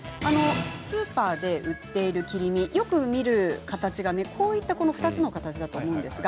スーパーで売っている切り身はよく形が２つの形だと思います。